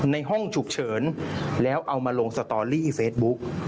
ในห้องฉุกเฉินแล้วเอามาลงสตอรี่เฟซบุ๊ก